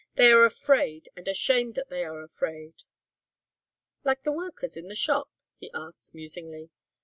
They are afraid and ashamed that they are afraid." "Like the workers in the shop?" he asked, musingly.